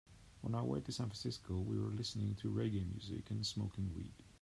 On our way to San Francisco, we were listening to reggae music and smoking weed.